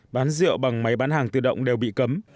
bán rượu bằng máy bán hàng tự động đều bị cấm